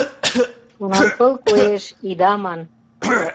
«Шонанпыл коеш!» ида ман —